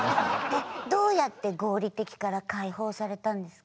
えっどうやって合理的から解放されたんですか？